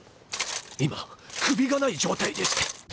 今首がない状態でして。